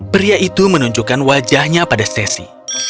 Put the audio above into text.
pria itu menunjukkan wajahnya pada sesi